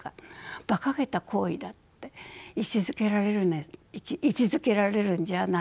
ばかげた行為だって位置づけられるんじゃないでしょうか。